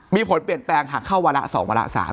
มีผลเปลี่ยนแปลงหากเข้าวาระ๒วาระ๓